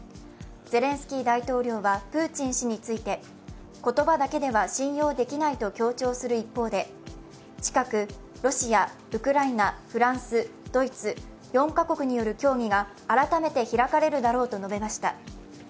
ゼレンスキー大統領はプーチン氏について言葉だけでは信用できないと強調する一方で近くロシア・ウクライナ・フランス・ドイツ４カ国による協議が改めて開かれるだろうと述べました。